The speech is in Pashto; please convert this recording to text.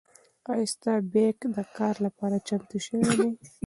ایا ستا بیک د کار لپاره چمتو شوی دی؟